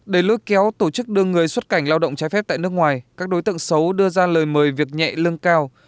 để lôi kéo tổ chức đưa người xuất cảnh lao động trái phép tại nước ngoài các đối tượng xấu đưa ra lời mời việc nhẹ lương cao